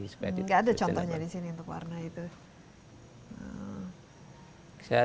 tidak ada contohnya di sini untuk warna itu